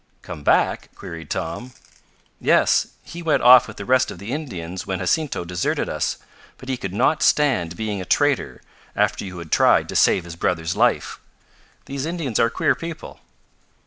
"Come back?" queried Tom. "Yes, he went off with the rest of the Indians when Jacinto deserted us, but he could not stand being a traitor, after you had tried to save his brother's life. These Indians are queer people.